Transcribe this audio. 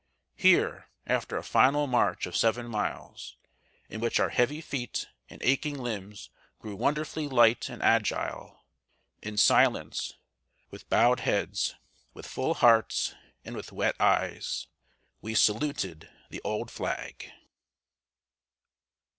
Here after a final march of seven miles, in which our heavy feet and aching limbs grew wonderfully light and agile in silence, with bowed heads, with full hearts and with wet eyes, we saluted the Old Flag.